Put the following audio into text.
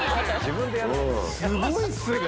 すごいっすね。